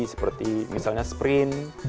seperti misalnya sprint